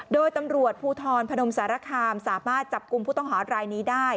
โดยตำรวจภูทรพนมสารคามสามารถจับกลุ่มผู้ต้องหารายนี้ได้